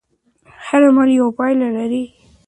هر عمل یوه پایله لري.